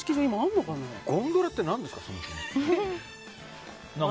ゴンドラって何ですかそもそも。